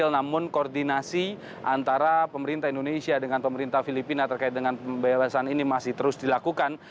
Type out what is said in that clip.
namun koordinasi antara pemerintah indonesia dengan pemerintah filipina terkait dengan pembebasan ini masih terus dilakukan